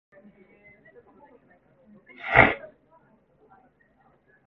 勾陳牽滯之神，朱雀文明之神